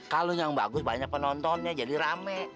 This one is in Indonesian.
kalau yang bagus banyak penontonnya jadi rame